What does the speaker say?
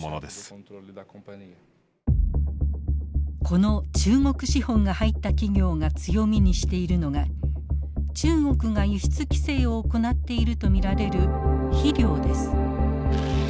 この中国資本が入った企業が強みにしているのが中国が輸出規制を行っていると見られる肥料です。